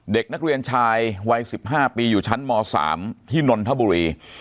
เด็กนักเรียนชายวัย๑๕ปีอยู่ชั้นม๓ที่นนทบุรี